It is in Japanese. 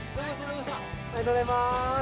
ありがとうございます。